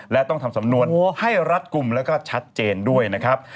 และต้องทำสำนวนให้รัดกลุ่มแล้วก็ชัดเจนด้วยนะครับ